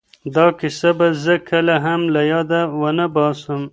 دا کیسه به زه کله هم له یاده ونه باسم.